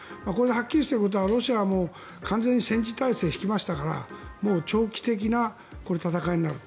はっきりしていることはロシアはもう完全に戦時体制を敷きましたからもう長期的な戦いになる。